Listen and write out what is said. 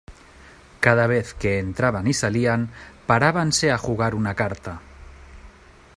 cada vez que entraban y salían parábanse a jugar una carta.